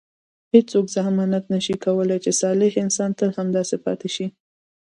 هیڅوک ضمانت نه شي کولای چې صالح انسان تل همداسې پاتې شي.